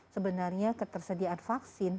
sebenarnya ketersediaan vaksin